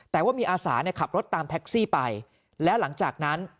แต่ว่ามีอาสาเนี่ยขับรถตามแท็กซี่ไปแล้วหลังจากนั้น